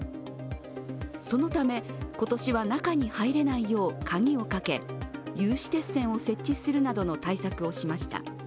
そのため、今年は中に入れないよう鍵をかけ、有刺鉄線を設置するなどの対策をしました。